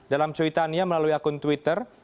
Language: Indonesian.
dalam choy tania melalui akun twitter